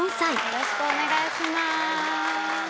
よろしくお願いします！